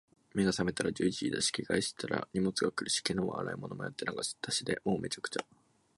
目が覚めたら十一時だし、着替えしてたら荷物が来るし、昨日は洗い物やってなかったしで……もう、滅茶苦茶。